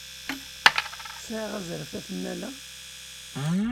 Sɛiɣ azref ad t-nnaleɣ?